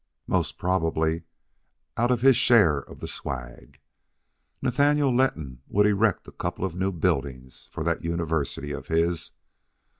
Most probably, out of his share of the swag, Nathaniel Letton would erect a couple of new buildings for that university of his.